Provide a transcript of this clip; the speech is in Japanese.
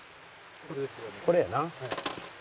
これやな。